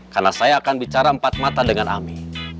karena saya akan bicara empat mata dengan ami